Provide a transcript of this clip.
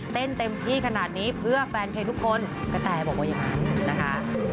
เต็มที่ขนาดนี้เพื่อแฟนเพลงทุกคนกระแตบอกว่าอย่างนั้นนะคะ